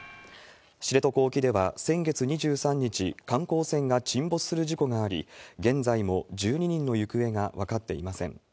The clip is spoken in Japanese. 知床沖では先月２３日、観光船が沈没する事故があり、現在も１２人の行方が分かっていません。